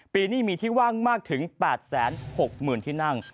ปีนี้มีที่ว่างมากถึง๘๖๐๐๐ที่นั่ง